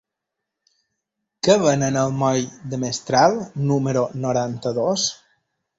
Què venen al moll de Mestral número noranta-dos?